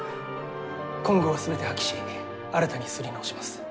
今号は全て破棄し新たに刷り直します。